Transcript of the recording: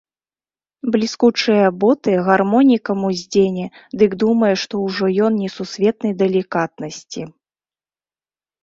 Бліскучыя боты гармонікам уздзене, дык думае, што ўжо ён несусветнай далікатнасці.